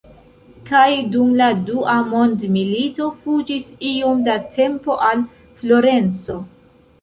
Kaj dum la Dua Mondmilito fuĝis iom da tempo al Florenco.